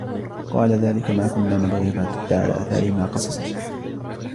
قَالَ ذَلِكَ مَا كُنَّا نَبْغِ فَارْتَدَّا عَلَى آثَارِهِمَا قَصَصًا